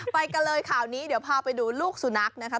ไปกันเลยข่าวนี้เดี๋ยวพาไปดูลูกสุนัขนะครับ